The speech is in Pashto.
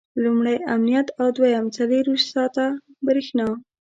لومړی امنیت او دویم څلرویشت ساعته برېښنا.